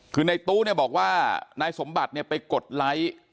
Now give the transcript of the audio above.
คือในตู้เนี่ยบอกว่านายสมบัติเนี่ยไปกดไลค์